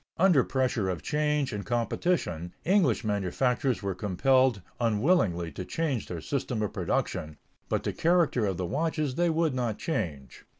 Under pressure of change and competition, English manufacturers were compelled unwillingly to change their system of production, but the character of the watches they would not change.